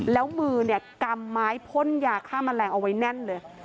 แล้วมือเนี่ยกำไม้พ่นยาฆ่าแมลงเอาไว้แน่นเลย